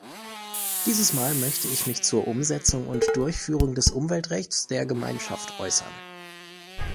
Dieses Mal möchte ich mich zur Umsetzung und Durchführung des Umweltrechts der Gemeinschaft äußern.